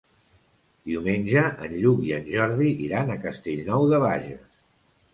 Diumenge en Lluc i en Jordi iran a Castellnou de Bages.